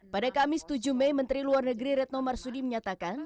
pada kamis tujuh mei menteri luar negeri retno marsudi menyatakan